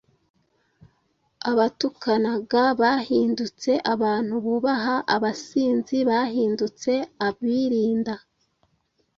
Abatukanaga bahindutse abantu bubaha, abasinzi bahindutse abirinda